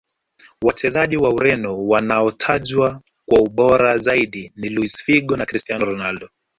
Wachezaji wa ureno wanaotajwa kuwa bora zaidi ni luis figo na cristiano ronaldo